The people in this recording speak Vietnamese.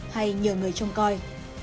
hay nhiều người trông coi